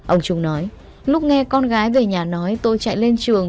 ông trung nói lúc nghe con gái về nhà nói tôi chạy lên trường